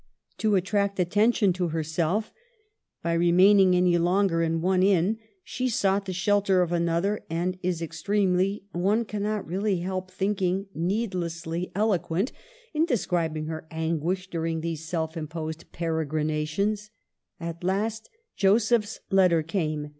) to attract attention to herself by remaining any longer in one inn, she sought the shelter of another ; and is extremely —one cannot really help thinking needlessly — Digitized by VjOOQIC 126 MADAME DE STAML. eloquent in describing her anguish during these self imposed peregrinations. At last Joseph's letter came.